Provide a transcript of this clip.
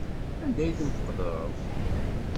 Anda ay ten-tqeddreḍ?